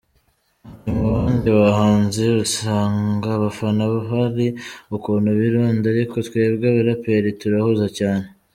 Ati “Mu bandi bahanzi usanga abafana hari ukuntu bironda ariko twebwe abaraperi turahuza cyane.